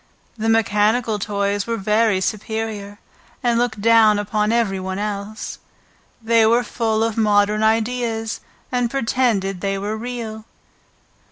The mechanical toys were very superior, and looked down upon every one else; they were full of modern ideas, and pretended they were real.